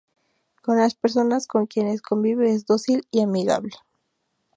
Con las personas con quienes convive es dócil y amigable.